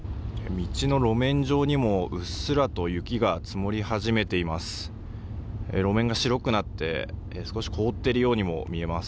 道の路面上にもうっすらと雪が積もり始めています。